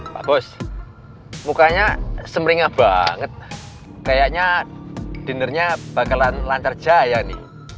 pak bos mukanya semringah banget kayaknya dinernya bakalan lancar jaya nih